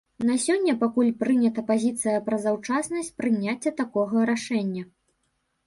На сёння пакуль прынята пазіцыя пра заўчаснасць прыняцця такога рашэння.